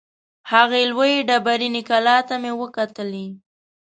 هغې لویې ډبریني کلا ته مې وکتلې.